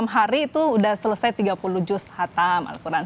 enam hari itu sudah selesai tiga puluh juz hatam al quran